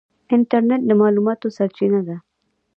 انټرنیټ د معلوماتو سرچینه ده.